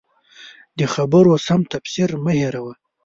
د خبرو سم تفسیر مه هېروه.